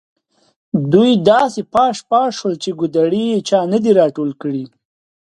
دوی داسې پاش پاش شول چې کودړي یې چا نه دي راټول کړي.